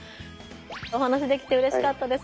お話しできてうれしかったです。